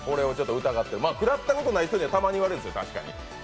食らったことない人にはたまに言われるんですよ。